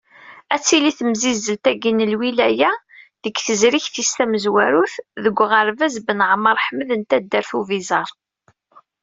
Ad tili temsizzelt-agi n lwilaya, deg tezrigt-is tamenzut, deg uɣerbaz Ben Ɛmer Ḥmed n taddart n Ubizar.